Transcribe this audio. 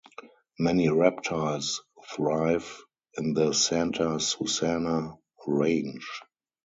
Many reptiles thrive in the Santa Susana range.